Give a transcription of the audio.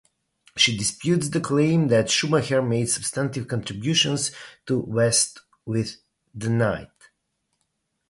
She disputes the claim that Schumacher made substantive contributions to "West with the Night".